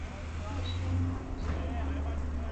د شپې مهال ترسره کېږي.